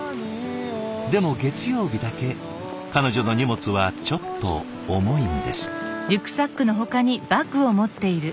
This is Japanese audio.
でも月曜日だけ彼女の荷物はちょっと重いんです。